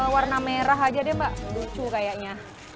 warna merah aja deh mbak lucu kayaknya